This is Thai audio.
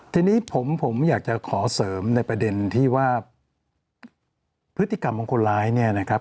ทีนี้ผมอยากจะขอเสริมในประเด็นที่ว่าพฤติกรรมของคนร้ายเนี่ยนะครับ